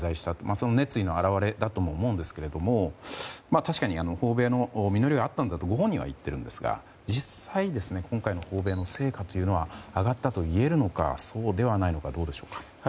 その熱意の表れだとも思うんですけど確かに訪米の実りはあったんだとご本人は言っているんですが実際今回の訪米の成果は上がったといえるのかそうではないのかどうでしょうか。